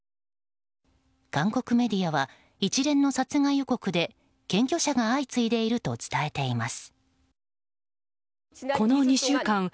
韓国メディアは一連の殺害予告で検挙者が相次いでいると伝えています。